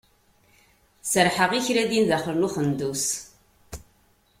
Serḥeɣ i kra din daxel n uxendus.